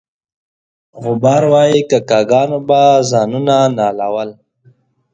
غبار وایي کاکه ګانو به ځانونه نالول.